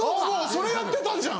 それやってたんじゃん！